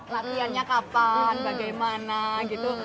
latihannya kapan bagaimana gitu